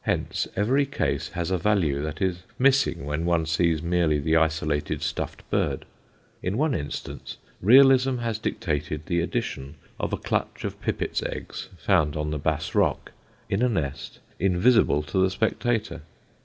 Hence every case has a value that is missing when one sees merely the isolated stuffed bird. In one instance realism has dictated the addition of a clutch of pipit's eggs found on the Bass Rock, in a nest invisible to the spectator.